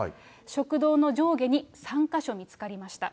食道の上下に３か所見つかりました。